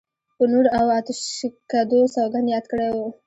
په نور او آتشکدو سوګند یاد کړی و.